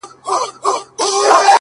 د زاريو له دې کښته قدم اخله-